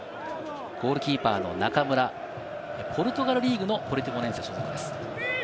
ゴールキーパーの中村、ポルトガルリーグのポルティモネンセ所属です。